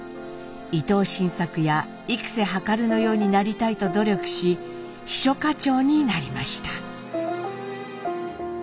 伊藤新作や幾量のようになりたいと努力し秘書課長になりました。